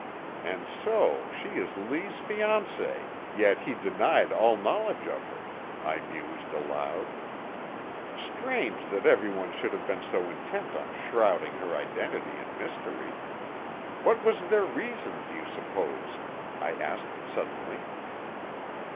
And so she is Lee's fiancée, yet he denied all knowledge of her," I mused aloud. "Strange that everyone should have been so intent on shrouding her identity in mystery. What was their reason, do you suppose?" I asked suddenly.